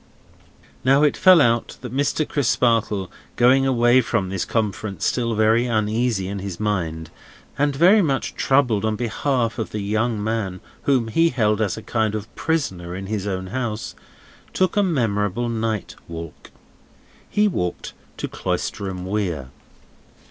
Now, it fell out that Mr. Crisparkle, going away from this conference still very uneasy in his mind, and very much troubled on behalf of the young man whom he held as a kind of prisoner in his own house, took a memorable night walk. He walked to Cloisterham Weir.